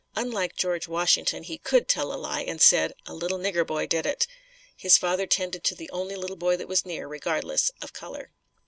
Unlike George Washington, he could tell a lie and said, "A little nigger boy did it." His father 'tended to the only little boy that was near, regardless of color.